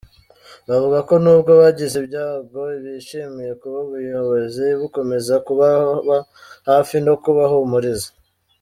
Bavuga ko nubwo bagize ibyago bishimiye kuba ubuyobozi bukomeza kubaba hafi no kubahumuriza.